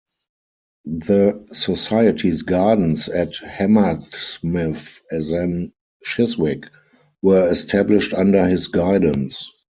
The society's gardens at Hammersmith, then Chiswick, were established under his guidance.